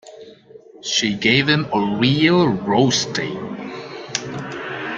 She gave him a real roasting.